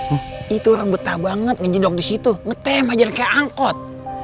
eh im itu orang betah banget ngejedok disitu ngetem aja kayak angkot